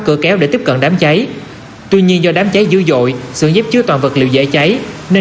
cửa kéo để tiếp cận đám cháy tuy nhiên do đám cháy dữ dội sườn dếp chứa toàn vật liệu dễ cháy nên